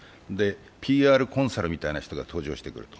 ＰＲコンサルみたいな人が登場してくる。